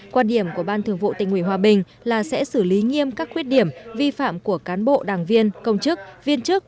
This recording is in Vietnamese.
quan điểm của ban thường vụ tỉnh hòa bình là sẽ xử lý nghiêm các khuyết điểm vi phạm của cán bộ đảng viên công chức viên chức